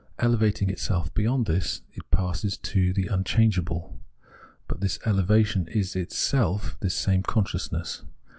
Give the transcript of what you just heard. Elevating itself beyond this, it passes to the unchangeable. But this elevation is itself this same consciousness.